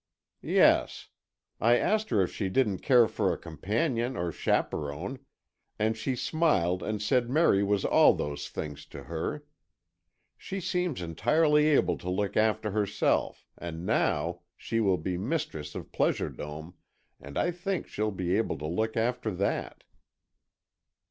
"Yes. I asked her if she didn't care for a companion or chaperon, and she smiled and said Merry was all those things to her. She seems entirely able to look after herself, and now, she will be mistress of Pleasure Dome, and I think she'll be able to look after that."